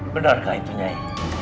benarkah itu nyai